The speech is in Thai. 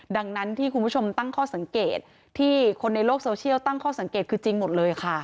ดังนั้นที่คุณผู้ชมตั้งข้อสังเกตที่คนในโลกโซเชียลตั้งข้อสังเกตคือจริงหมดเลยค่ะ